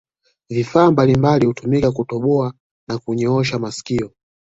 Vifaa mbalimbali hutumika kutoboa na kunyosha masikio